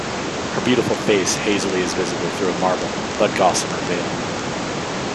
Her beautiful face hazily is visible through a marble but gossamer veil.